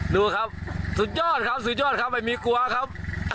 ดูครับสุดยอดครับสุดยอดครับไม่มีกลัวครับ